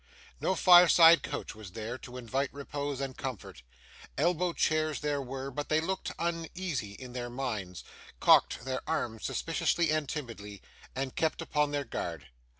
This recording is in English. No fireside couch was there, to invite repose and comfort. Elbow chairs there were, but they looked uneasy in their minds, cocked their arms suspiciously and timidly, and kept upon their guard.